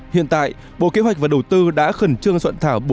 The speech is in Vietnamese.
hiện tại bộ kế hoạch và đầu tư đã khẩn trương soạn thảo